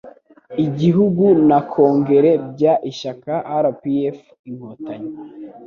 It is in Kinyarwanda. igihugu na kongere by ishyaka rpf inkotanyi